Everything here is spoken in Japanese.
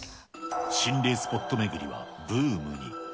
心霊スポット巡りはブームに。